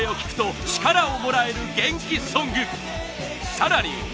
さらに。